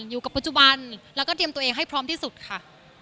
อยู่กับปัจจุบันแล้วก็เตรียมตัวเองให้พร้อมที่สุดค่ะ